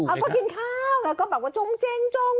ก็กินข้าวแล้วก็บอกว่าจงเจ็ง